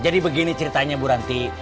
jadi begini ceritanya bu ranti